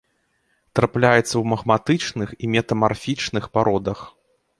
Трапляецца ў магматычных і метамарфічных пародах.